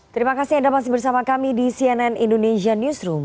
terima kasih anda masih bersama kami di cnn indonesia newsroom